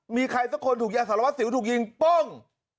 มีใครสักคนถูกยางสารวัสสิวถูกยิงป้อง